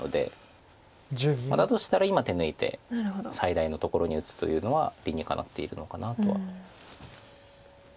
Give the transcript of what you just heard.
だとしたら今手抜いて最大のところに打つというのは理にかなっているのかなとは。